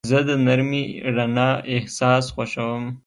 زه د نرمې رڼا احساس خوښوم.